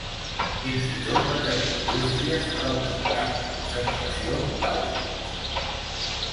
Fins i tot va tenir indústries prop del camp de concentració d'Auschwitz.